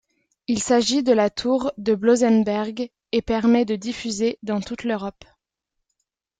Il s'agit de la tour de Blosenberg et permet de diffuser dans toute l'Europe.